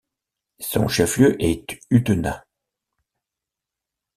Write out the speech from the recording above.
Son chef-lieu est Utena.